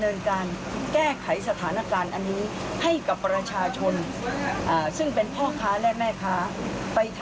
ให้มีลิสมากิจให้หาจัดที่ให้เขา